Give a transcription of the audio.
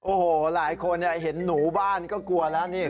โอ้โหหลายคนเห็นหนูบ้านก็กลัวแล้วนี่